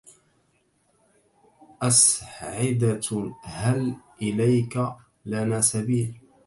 أسعدة هل إليك لنا سبيل